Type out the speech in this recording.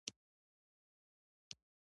وارخطا جنګياليو مخامخ غونډيو ته کتل.